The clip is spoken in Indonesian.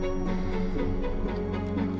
tuhan aku mau nyunggu